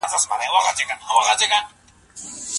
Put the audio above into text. دي تاسي ته